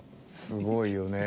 すごいよね。